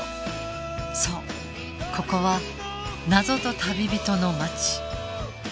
そうここは謎と旅人の街